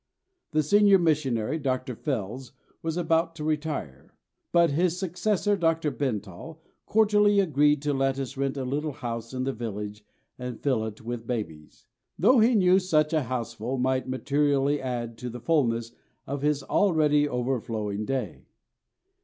The senior missionary, Dr. Fells, was about to retire; but his successor, Dr. Bentall, cordially agreed to let us rent a little house in the village and fill it with babies, though he knew such a houseful might materially add to the fulness of his already overflowing day.